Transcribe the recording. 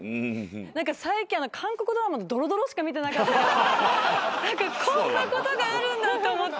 最近韓国ドラマのどろどろしか見てなかったからこんなことがあるんだと思って。